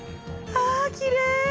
あきれい！